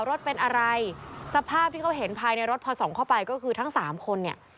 รถเป็นอะไรสภาพที่เขาเห็นภายในรถพอส่องเข้าไปก็คือทั้งสามคนเนี่ย